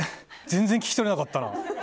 全然聞き取れなかったな。